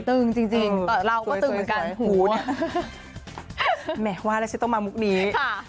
ตึงจริงเราก็ตึงเหมือนกันหูเนี่ยแหมว่าแล้วฉันต้องมามุกนี้ค่ะ